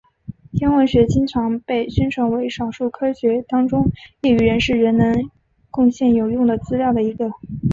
天文学经常被宣传为少数科学当中业余人士仍能贡献有用的资料的一个。